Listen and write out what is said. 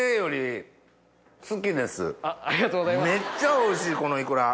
めっちゃおいしいこのイクラ。